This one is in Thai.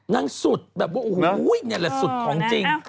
นางสุดแบบโอ้โฮนี่แหละสุดของจริง